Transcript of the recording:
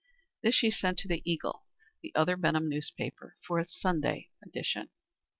This she sent to the Eagle, the other Benham newspaper, for its Sunday edition.